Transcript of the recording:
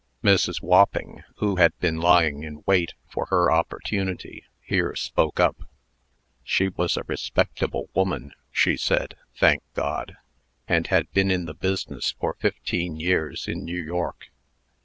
Mrs. Wopping, who had been lying in wait for her opportunity, here spoke up. She was a respectable woman, she said, thank God! and had been in the business for fifteen years, in New York.